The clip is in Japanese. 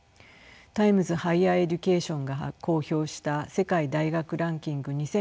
「タイムズ・ハイヤー・エデュケーション」が公表した世界大学ランキング２０２３